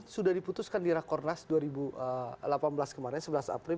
sudah diputuskan di rakornas dua ribu delapan belas kemarin sebelas april